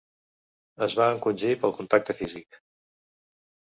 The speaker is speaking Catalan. Es va encongir pel contacte físic.